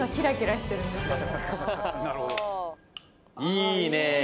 いいね